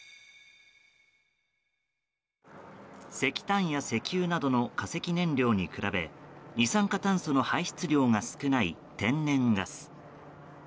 石炭や石油などの化石燃料に比べ二酸化炭素の排出量が少ない天然ガス。